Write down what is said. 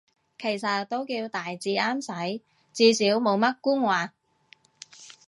其實都叫大致啱使，至少冇乜官話